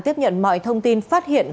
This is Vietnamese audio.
tiếp nhận mọi thông tin phát hiện